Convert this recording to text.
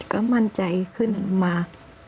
ก็มั่นใจขึ้นมา